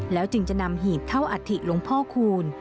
แล้วจึงจะนำหีพเท้าอัตภิรวงพ่อคูณ